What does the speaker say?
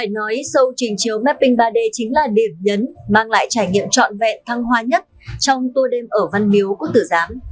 nói sâu trình chiếu mapping ba d chính là điểm nhấn mang lại trải nghiệm trọn vẹn thăng hoa nhất trong tour đêm ở văn miếu quốc tử giám